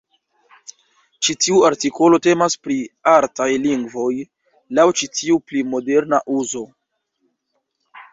Ĉi tiu artikolo temas pri "artaj lingvoj" laŭ ĉi tiu pli moderna uzo.